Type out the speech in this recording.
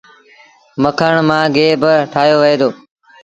مکڻ مآݩ گيه با ٺآهيو وهي دو۔